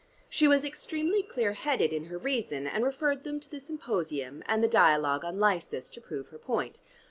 She was extremely clear headed in her reason, and referred them to the Symposium and the dialogue on Lysis, to prove her point.